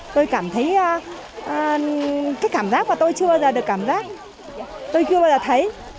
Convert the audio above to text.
tôi cảm thấy cái cảm giác mà tôi chưa bao giờ được cảm giác tôi chưa bao giờ thấy